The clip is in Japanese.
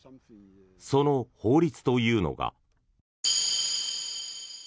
その法律というのが。